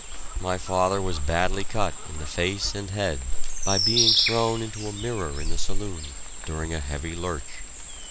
My father was badly cut in the face and head by being thrown into a mirror in the saloon, during a heavy lurch.